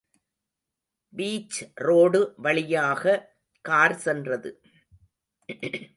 Beach road வழியாக car சென்றது.